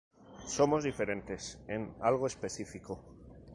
Somos diferentes en algo específico.